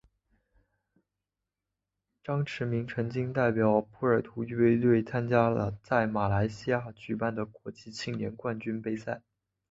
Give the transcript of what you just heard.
张池明曾经代表波尔图预备队参加了在马来西亚举办的国际青年冠军杯赛。